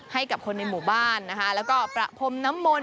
ให้กับคนในหมู่บ้านนะคะแล้วก็ประพรมน้ำมนต